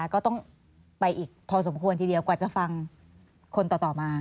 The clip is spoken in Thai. ก็ต้องไปอีกพอสมควรทีเดียวกว่าจะฟังคนต่อมา